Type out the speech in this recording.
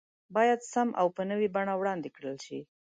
بايد سم او په نوي بڼه وړاندې کړل شي